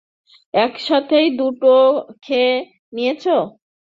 একসাথেই দুটো খেয়ে নিয়েছো।